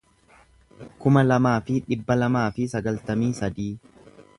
kuma lamaa fi dhibba lamaa fi sagaltamii sadii